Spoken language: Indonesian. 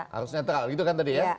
harus netral gitu kan tadi ya